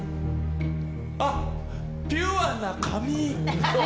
あ、ピュアな髪！